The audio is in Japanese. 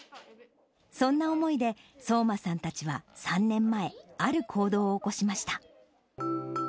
そんな思いで、聡真さんたちは３年前、ある行動を起こしました。